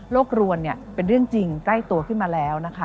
โรครวลเป็นเรื่องจริงใกล้ตัวขึ้นมาแล้ว